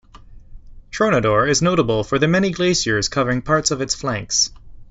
Tronador is notable for the many glaciers covering parts of its flanks.